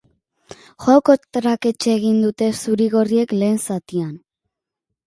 Joko traketsa egin dute zuri-gorriek lehen zatian.